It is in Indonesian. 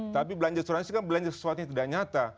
tapi belanja asuransi kan belanja sesuatu yang tidak nyata